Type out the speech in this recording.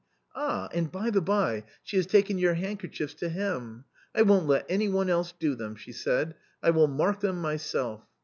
Ah, and, by the by, she has taken your handkerchiefs to hem. * I won't let any one else do them,' she said, 'I will mark them myself.'